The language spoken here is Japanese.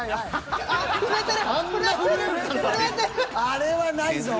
あれはないぞ。